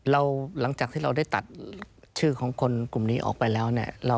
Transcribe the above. หลังจากที่เราได้ตัดชื่อของคนกลุ่มนี้ออกไปแล้วเนี่ย